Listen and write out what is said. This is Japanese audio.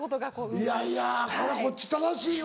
いやいやこれはこっち正しいわ。